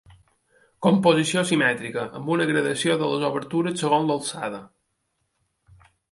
Composició simètrica, amb una gradació de les obertures segons l'alçada.